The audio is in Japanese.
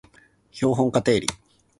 標本化定理